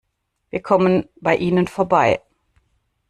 Wir kommen bei ihnen vorbei.